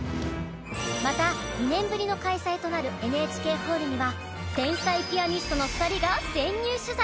また、２年ぶりの開催となるＮＨＫホールには天才ピアニストの２人が潜入取材！